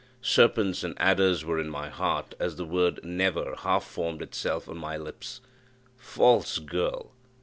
Serpents and adders were in my heart as the word "Never!" half formed itself on my lips. False girl!